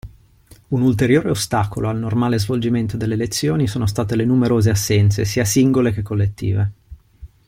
Un ulteriore ostacolo al normale svolgimento delle lezioni sono state le numerose assenze sia singole che collettive.